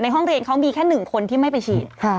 ห้องเรียนเขามีแค่๑คนที่ไม่ไปฉีด